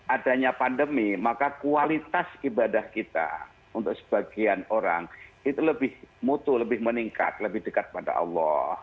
adanya pandemi maka kualitas ibadah kita untuk sebagian orang itu lebih mutu lebih meningkat lebih dekat pada allah